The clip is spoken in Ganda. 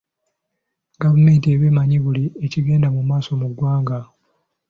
Gavumenti eba emanyi buli ekigenda mu maaso mu ggwanga.